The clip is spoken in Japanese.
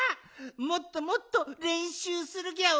もっともっとれんしゅうするギャオ。